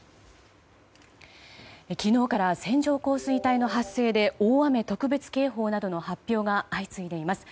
昨日から線状降水帯の発生で大雨特別警報などの発表が相次いでいます。